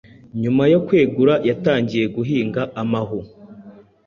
nyuma yokwegura yatangiye guhinga amahu